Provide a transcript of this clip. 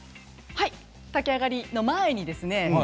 はい炊き上がりの前にですね